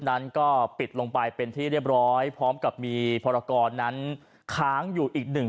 นั้นก็ปิดลงไปเป็นที่เรียบร้อยพร้อมกับมีพรกรนั้นค้างอยู่อีกหนึ่ง